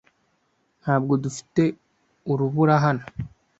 Ntabwo dufite urubura hano.